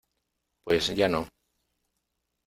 pues ya no.